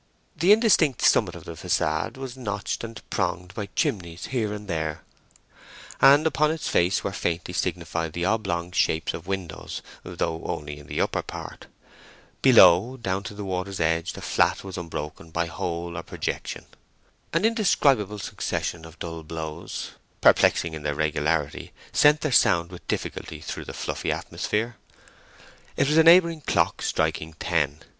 The indistinct summit of the façade was notched and pronged by chimneys here and there, and upon its face were faintly signified the oblong shapes of windows, though only in the upper part. Below, down to the water's edge, the flat was unbroken by hole or projection. An indescribable succession of dull blows, perplexing in their regularity, sent their sound with difficulty through the fluffy atmosphere. It was a neighbouring clock striking ten.